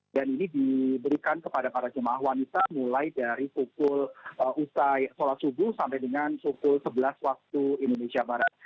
dan ini diberikan kepada para jemaah wanita mulai dari pukul usai sholat subuh sampai dengan pukul sebelas waktu indonesia barat